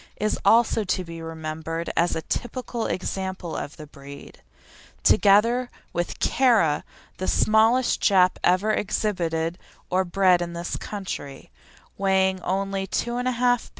is also to be remembered as a typical example of the breed, together with Kara, the smallest Jap ever exhibited or bred in this country, weighing only 2 1/2 lb.